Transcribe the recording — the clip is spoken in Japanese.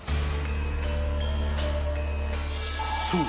［そう。